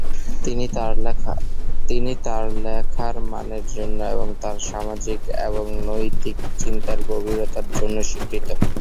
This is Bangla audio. তিনি তার লেখার মানের জন্য এবং তার সামাজিক এবং নৈতিক চিন্তার গভীরতার জন্য স্বীকৃত।